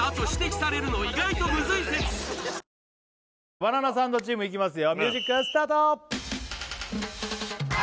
バナナサンドチームいきますよ